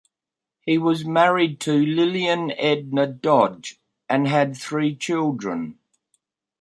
He was married to Lillian Edna Dodge and had three children.